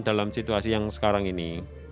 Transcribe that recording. dalam situasi yang sekarang ini